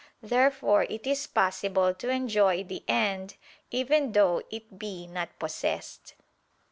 Therefore it is possible to enjoy the end even though it be not possessed.